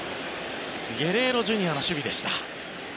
ゲレーロＪｒ．の守備でした。